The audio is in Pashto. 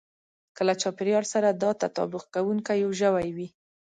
که له چاپېريال سره دا تطابق کوونکی يو ژوی وي.